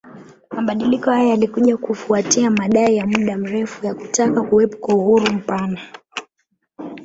Mabadiliko haya yalikuja kufuatia madai ya muda mrefu ya kutaka kuwepo kwa uhuru mpana